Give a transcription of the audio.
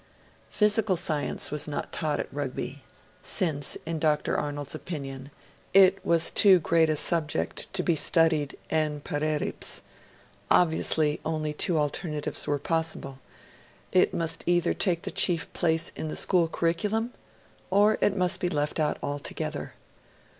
Physical science was not taught at Rugby. Since, in Dr. Arnold's opinion, it was too great a subject to be studied en parergo, obviously only two alternatives were possible: it must either take the chief place in the school curriculum, or it must be left out altogether.